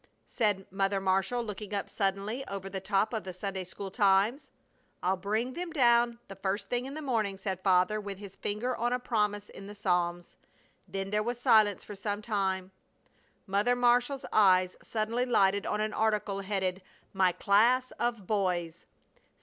said Mother Marshall, looking up suddenly over the top of the Sunday school Times. "I'll bring them down the first thing in the morning!" said Father, with his finger on a promise in the Psalms. Then there was silence for some time. Mother Marshall's eyes suddenly lighted on an article headed, "My Class of Boys."